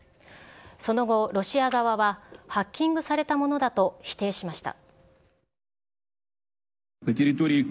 その後、ロシア側はハッキングされたものだと否定しました。